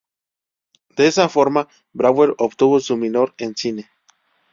De esa forma Brauer obtuvo su minor en cine.